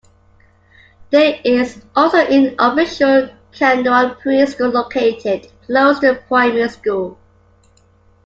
There is also an official Canouan Pre-school located close to the primary school.